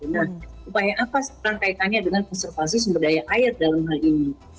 nah upaya apa sekarang kaitannya dengan konservasi sumber daya air dalam hal ini